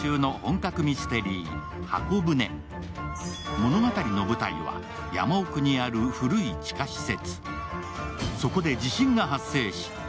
物語の舞台は山奥にある古い地下施設。